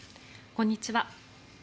こんにちは。